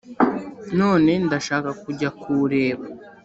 None ndashaka kujya kuwureba